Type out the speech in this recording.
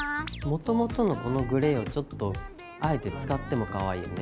もともとのこのグレーはちょっとあえて使ってもかわいいよね。